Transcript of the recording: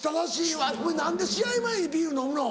お前何で試合前にビール飲むの？